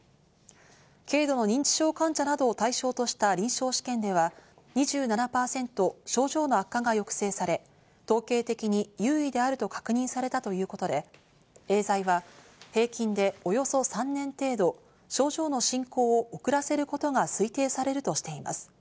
軽度の認知症患者などを対象とした臨床試験では２７％症状の悪化が抑制され、統計的に優位であると確認されたということでエーザイは平均でおよそ３年程度、症状の進行を遅らせることが推定されるとしています。